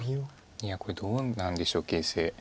いやこれどうなんでしょう形勢。